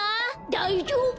だいじょうぶ。